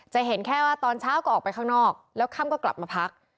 เห็นแค่ว่าตอนเช้าก็ออกไปข้างนอกแล้วค่ำก็กลับมาพัก